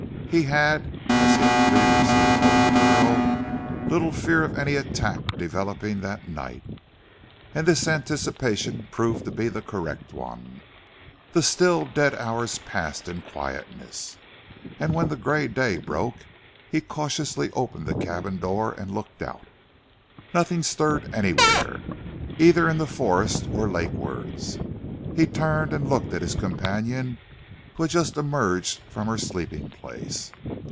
He had, as he had previously told the girl, little fear of any attack developing that night, and this anticipation proved to be the correct one. The still, dead hours passed in quietness, and when the grey day broke, he cautiously opened the cabin door and looked out. Nothing stirred anywhere, either in the forest or lakewards. He turned and looked at his companion who had just emerged from her sleeping place.